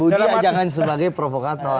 budi jangan sebagai provokator